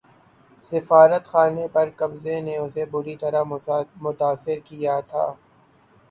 سفارت خانے پر قبضے نے اسے بری طرح متاثر کیا تھا